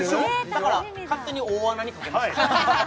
だから勝手に大穴に賭けました